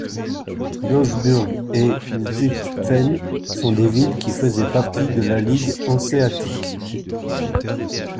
Doesburg et Zutphen sont des villes qui faisaient partie de la ligue hanséatique.